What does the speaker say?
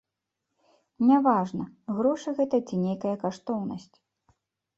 Няважна, грошы гэта ці нейкая каштоўнасць.